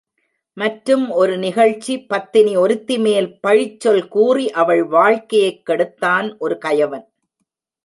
மற்றும் ஒரு நிகழ்ச்சி பத்தினி ஒருத்திமேல் பழிச்சொல் கூறி அவள் வாழ்க்கையைக் கெடுத்தான் ஒரு கயவன்.